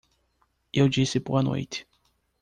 Eu disse boa noite.